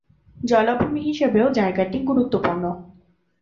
জলাভূমি হিসেবেও জায়গাটি গুরুত্বপূর্ণ।